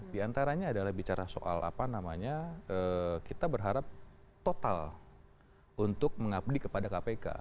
di antaranya adalah bicara soal apa namanya kita berharap total untuk mengabdi kepada kpk